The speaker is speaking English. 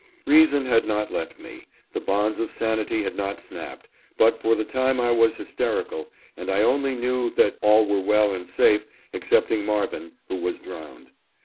Reason had not left me, the bonds of sanity had not snapped, but for the time I was hysterical, and I only knew that all were well and safe excepting Marvin, who was drowned.